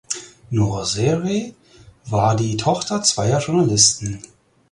Nora Sayre war die Tochter zweier Journalisten.